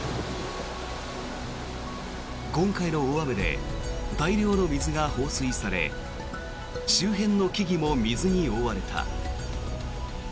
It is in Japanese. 今回の大雨で大量の水が放水され周辺の木々も水に覆われた。